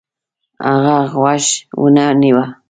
هغه غوږ ونه نیوه.